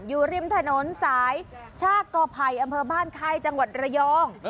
อยู่ริมตะโน้นสายชาต์กอเผยนบ้านไข้จังหวัดระยอง